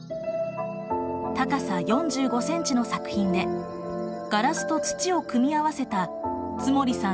高さ４５ｃｍの作品でガラスと土を組み合わせた津守さん